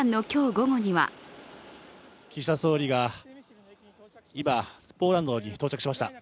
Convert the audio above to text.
午後には岸田総理が、今ポーランドに到着しました。